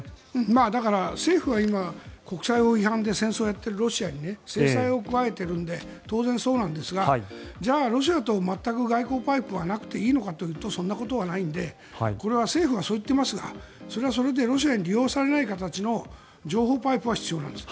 だから政府は今国際法違反で戦争をやっているロシアに制裁を加えているので当然そうなんですがじゃあ、ロシアと全く外交パイプはなくていいのかというとそんなことはないのでこれは政府はそう言っていますがそれはそれでロシアに利用されない形の情報パイプは必要なんです。